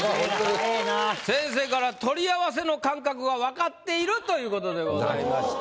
先生から「取り合わせの感覚がわかっている」という事でございました。